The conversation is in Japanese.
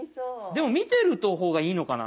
でも見てる方がいいのかな。